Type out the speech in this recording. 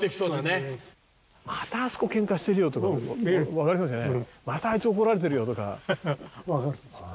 わかりますよね。